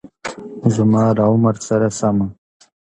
زما له عمر سره سمه